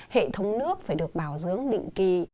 hệ thống nước phải được bảo dưỡng định kỳ